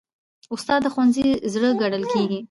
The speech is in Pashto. استاد د ښوونځي زړه ګڼل کېږي.